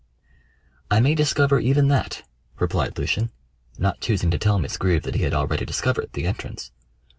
"I may discover even that," replied Lucian, not choosing to tell Miss Greeb that he had already discovered the entrance.